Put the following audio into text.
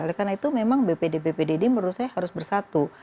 oleh karena itu memang bpd bpdd menurut saya harus bersatu